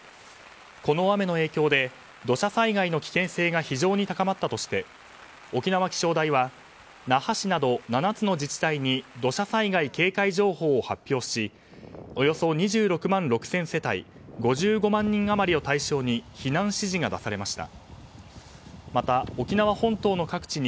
この雨の影響で土砂災害の危険性が非常に高まったとして沖縄気象台は那覇市など７つの自治体に土砂災害警戒情報を発表しおよそ２６万６０００世帯５５万人余りを対象に避難指示が出されました。